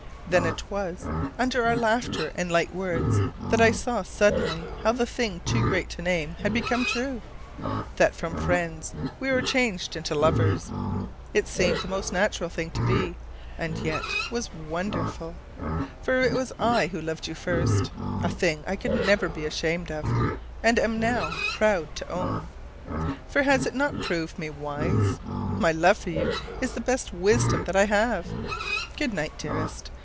Then it was, under our laughter and light words, that I saw suddenly how the thing too great to name had become true, that from friends we were changed into lovers. It seemed the most natural thing to be, and yet was wonderful for it was I who loved you first: a thing I could never be ashamed of, and am now proud to own for has it not proved me wise? My love for you is the best wisdom that I have. Good night, dearest!